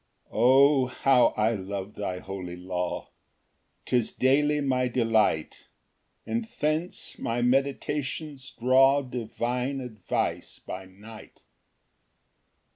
Ver. 97. 1 O How I love thy holy law! 'Tis daily my delight; And thence my meditations draw Divine advice by night.